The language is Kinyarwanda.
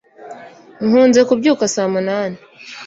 nkunze kubyuka saa munani